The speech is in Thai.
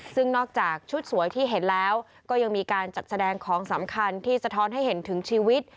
ซึ่งนอกจากชุดสวยที่เห็นแล้วก็ยังมีการจัดแสดงของสำคัญที่สะท้อนให้เห็นถึงชีวิต